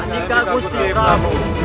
adik aku takut lagi prabu